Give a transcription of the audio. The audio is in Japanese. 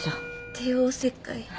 帝王切開？